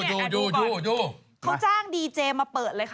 ดูดูเขาจ้างดีเจมาเปิดเลยค่ะ